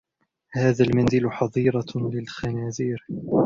هذا المنزل حظيرة للخنازير.